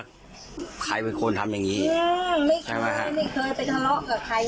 ใครเป็นคนทำอย่างงี้ไม่เคยไม่เคยไปทะเลาะกับใคร